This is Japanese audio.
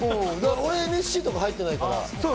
俺、ＮＳＣとか入ってないから。